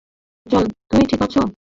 জন, তুমি ঠিক আছো?